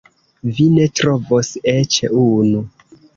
Vi ne trovos eĉ unu.